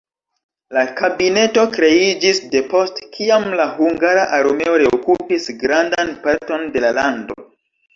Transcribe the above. La kabineto kreiĝis depost kiam la hungara armeo reokupis grandan parton de la lando.